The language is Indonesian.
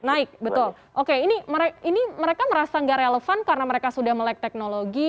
naik betul oke ini mereka merasa nggak relevan karena mereka sudah melek teknologi